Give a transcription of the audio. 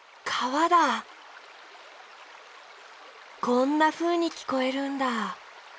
こんなふうにきこえるんだ。